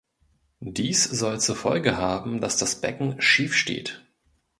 Dies soll zur Folge haben, dass das Becken „schief“ steht.